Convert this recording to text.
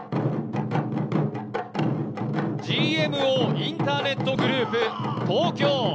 ＧＭＯインターネットグループ・東京。